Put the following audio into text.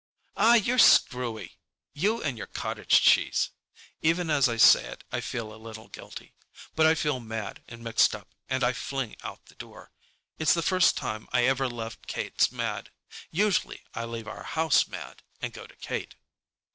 "Ah, you're screwy! You and your cottage cheese!" Even as I say it I feel a little guilty. But I feel mad and mixed up, and I fling out the door. It's the first time I ever left Kate's mad. Usually I leave our house mad and go to Kate.